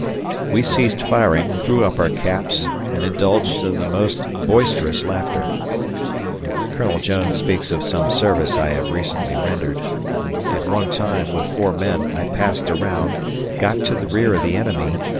We ceased firing, threw up our caps, and indulged in the most boisterous laughter. ... Col. Jones speaks of some service I have recently rendered. At one time, with four men, I passed around, got to the rear of the enemy.